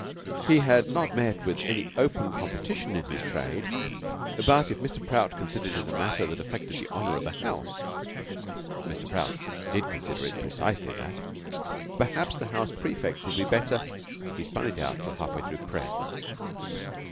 He had not met with any open competition in his trade; but if Mr. Prout considered it was a matter that affected the honor of the house (Mr. Prout did consider it precisely that), perhaps the house prefects would be better... He spun it out till half way through prep.